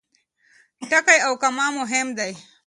ټکی او کامه مهم دي.